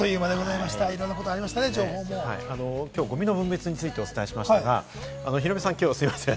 いろんなことがありましたね、今日、ごみの分別についてお伝えしましたが、ヒロミさん、今日すみません。